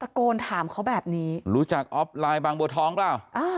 ตะโกนถามเขาแบบนี้รู้จักอ๊อฟลายบางบทธองป่ะอ่า